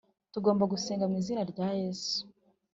Tugomba gusenga mu izina rya Yesu